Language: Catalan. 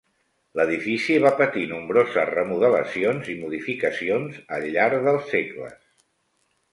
L'edifici va patir nombroses remodelacions i modificacions al llarg dels segles.